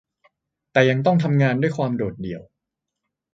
แต่ยังต้องทำงานด้วยความโดดเดี่ยว